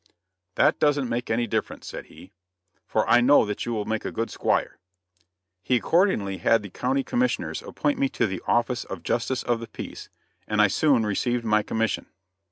"That doesn't make any difference," said he, "for I know that you will make a good 'Squire." He accordingly had the county commissioners appoint me to the office of justice of the peace, and I soon received my commission.